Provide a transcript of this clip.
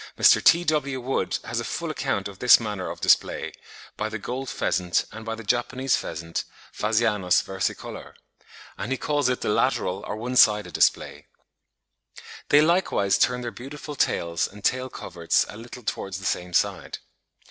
(89. Mr. T.W. Wood has given ('The Student,' April 1870, p. 115) a full account of this manner of display, by the Gold pheasant and by the Japanese pheasant, Ph. versicolor; and he calls it the lateral or one sided display.) They likewise turn their beautiful tails and tail coverts a little towards the same side.